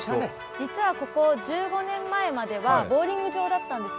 実はここ１５年前まではボウリング場だったんです。